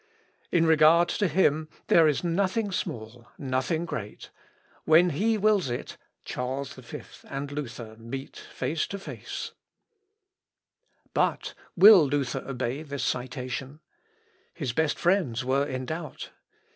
In regard to Him, there is nothing small, nothing great. When he wills it, Charles V and Luther meet face to face. [Sidenote: HOLY THURSDAY AT ROME.] But will Luther obey this citation? His best friends were in doubt.